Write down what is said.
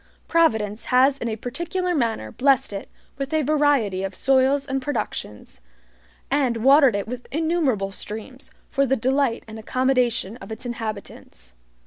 Providence has in a particular manner blessed it with a variety of soils and productions, and watered it with innumerable streams, for the delight and accommodation of its inhabitants.